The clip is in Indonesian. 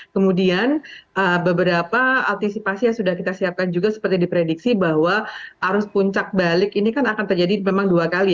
kemudian beberapa antisipasi yang sudah kita siapkan juga seperti diprediksi bahwa arus puncak balik ini kan akan terjadi memang dua kali